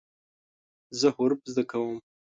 زه حروف زده کوم.